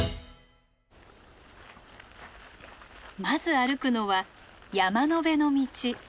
まず歩くのは山の辺の道。